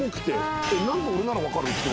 何で俺なら分かるって。